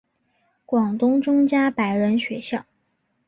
广东中加柏仁学校。